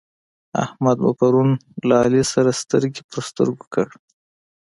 احمد مو پرون له علي سره سترګې پر سترګو کړ.